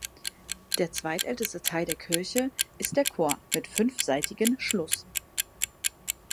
Der zweitälteste Teil der Kirche ist der Chor mit fünfseitigen Schluss.